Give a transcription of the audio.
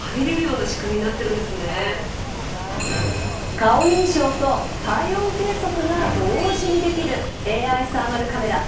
顔認証と体温計測が同時にできるＡＩサーマルカメラ。